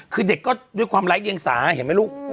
คือเด็กก็ด้วยความไร้เดียงสาเห็นไหมลูก